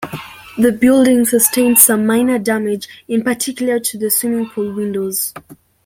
The building sustained some minor damage, in particular to the swimming pool windows.